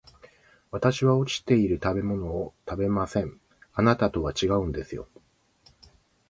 私は落ちている食べ物を食べません、あなたとは違うんですよ